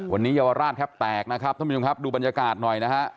วันนี้เยาวราชแทบแตกนะครับท่านผู้ชมครับดูบรรยากาศหน่อยนะฮะ